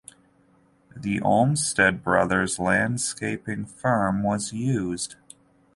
The Olmsted Brothers landscaping firm was used.